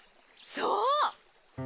そう！